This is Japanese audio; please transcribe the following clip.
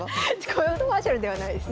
コマーシャルではないです。